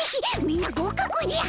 みんな合格じゃ。